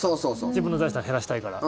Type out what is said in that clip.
自分の財産を減らしたいから。